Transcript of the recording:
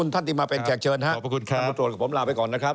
ท่านติมาเป็นแขกเชิญครับ